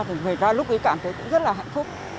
thì người ta lúc ấy cảm thấy cũng rất là hạnh phúc